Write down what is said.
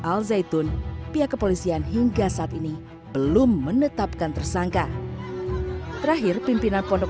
al zaitun pihak kepolisian hingga saat ini belum menetapkan tersangka terakhir pimpinan pondok